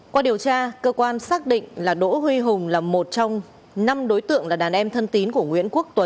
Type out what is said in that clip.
qua điều tra cơ quan xác định là đỗ huy hùng là một trong năm đối tượng là đàn em thân tín của nguyễn quốc tuấn